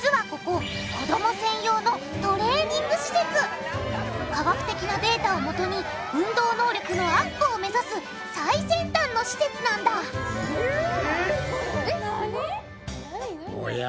実はここ科学的なデータをもとに運動能力のアップを目指す最先端の施設なんだおや？